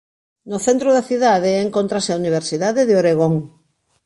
No centro da cidade encóntrase a Universidade de Oregón.